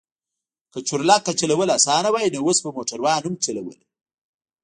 که چورلکه چلول اسانه وای نو اوس به موټروان هم چلوله.